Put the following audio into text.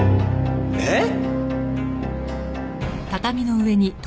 えっ？